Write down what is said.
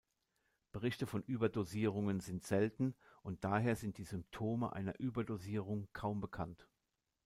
Berichte von Überdosierungen sind selten und daher sind die Symptome einer Überdosierung kaum bekannt.